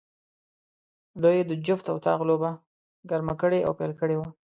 دوی د جفت او طاق لوبه ګرمه کړې او پیل کړې وه.